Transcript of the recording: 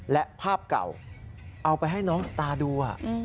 และภาพเก่าเอาไปให้น้องสตาร์ดู